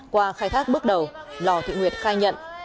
qua khai thác bước đầu lò thị nguyệt khai nhận